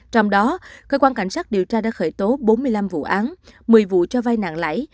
trong đó cơ quan cảnh sát điều tra đã khởi tố bốn mươi năm vụ án một mươi vụ cho vai nặng lãi